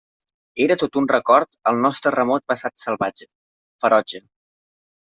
Era tot un record al nostre remot passat salvatge, ferotge.